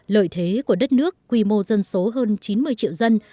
lợi thế của đất nước quy mô dân số hơn chín mươi triệu dân